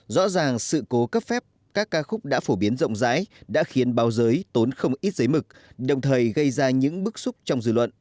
rõ ràng sự cố cấp phép các ca khúc đã phổ biến rộng rãi đã khiến báo giới tốn không ít giấy mực đồng thời gây ra những bức xúc trong dư luận